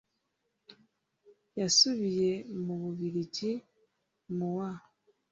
yasubiye mu bubiligi mu wa